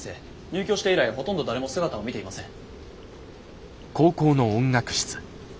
入居して以来ほとんど誰も姿を見ていません。